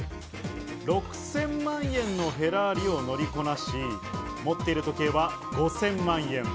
６０００万円のフェラーリを乗りこなし、持っている時計は５０００万円。